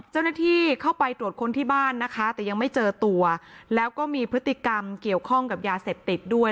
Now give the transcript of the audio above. เจ้าหน้าที่เข้าไปตรวจค้นที่บ้านนะคะแต่ยังไม่เจอตัวแล้วก็มีพฤติกรรมเกี่ยวข้องกับยาเสพติดด้วย